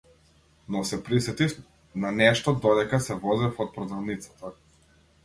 Но се присетив на нешто додека се возев од продавницата.